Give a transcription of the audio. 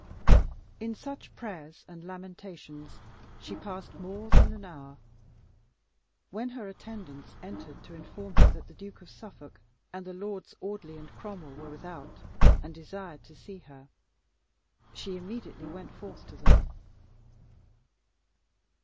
In such prayers and lamentations she passed more than an hour, when her attendants entered to inform her that the Duke of Suffolk and the Lords Audley and Cromwell were without, and desired to see her. She immediately went forth to them.